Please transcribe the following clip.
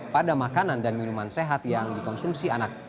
pada makanan dan minuman sehat yang dikonsumsi anak